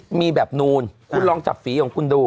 โอเคคุณมีแบบนูนอืมคุณลองจับฝีของคุณดู